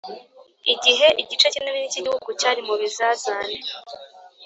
igihe igice kinini k igihugu cyari mu bizazane